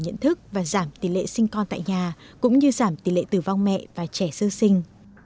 nhận thức và giảm tỷ lệ sinh con tại nhà cũng như giảm tỷ lệ tử vong mẹ và trẻ sơ sinh